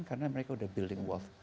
karena mereka udah building wealth